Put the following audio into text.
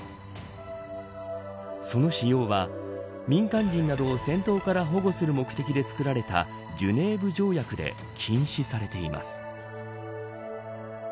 その使用は、民間人などを戦闘から保護する目的で作られたジュネーブ条約で禁止されています。